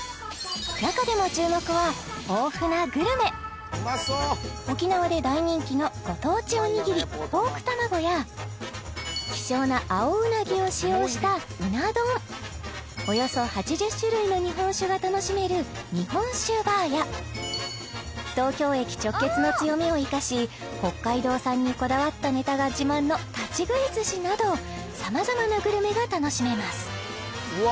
中でも注目は沖縄で大人気のご当地おにぎりポークたまごや希少な青うなぎを使用したうな丼およそ８０種類の日本酒が楽しめる日本酒バーや東京駅直結の強みを生かし北海道産にこだわったネタが自慢の立食い寿司などさまざまなグルメが楽しめますうわ